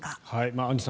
アンジュさん